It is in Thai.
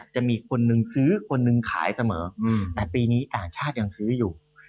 จะมีคนนึงซื้อคนหนึ่งขายเสมอแต่ปีนี้ต่างชาติยังซื้ออยู่